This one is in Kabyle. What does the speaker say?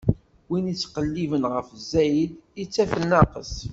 Win ittqelliben ɣef zzayed, ittaf nnaqes.